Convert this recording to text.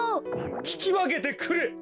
ききわけてくれ！